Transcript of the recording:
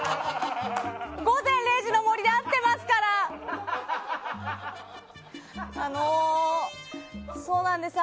「午前０時の森」であってますから！あのそうなんです。